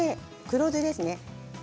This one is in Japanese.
黒酢ですね。